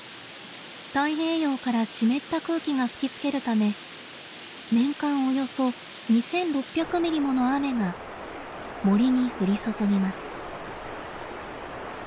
太平洋から湿った空気が吹きつけるため年間およそ２，６００ミリもの雨が森に降り注ぎます。